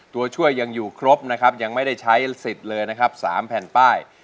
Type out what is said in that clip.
ตัวช่วยยังอยู่ครบนะครับยังไม่ได้ใช้สิทธิ์เลยนะครับ๓แผ่นป้าย